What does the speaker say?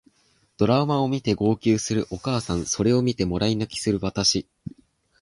ドラマを見て号泣するお母さんそれを見てもらい泣きする私